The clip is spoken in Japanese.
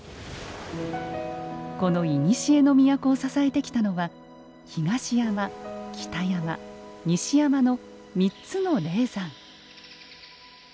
この古の都を支えてきたのは東山北山西山の３つの霊山。